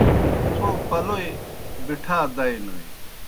تھو پلَوْئی بِٹھا دَئینوئے۔